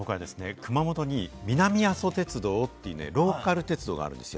熊本に南阿蘇鉄道というローカル鉄道があるんです。